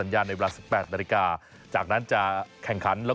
ย้ำกันหน่อย